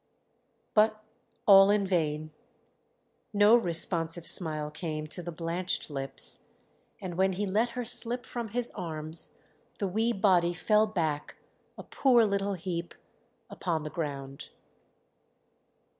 But all in vain; no responsive smile came to the blanched lips, and when he let her slip from his arms the wee body fell back, a poor little heap, upon the ground.